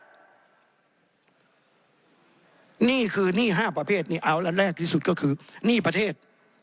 หนี้คือหนี้๕ประเภทอันแรกที่สุดก็คือหนี้ประเทศ